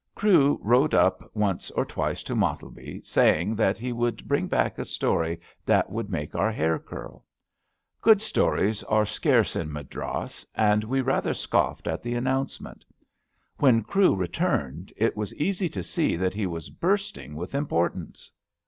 Crewe wrote up once or twice to Mottleby, saying that he would bring back a story that would make our hair curL Good stories are scarce in Madras, and we rather scoffed at the announcement. When Crewe re turned it was easy to see that he was bursting with importance.